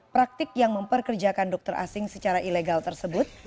praktik yang memperkerjakan dokter asing secara ilegal tersebut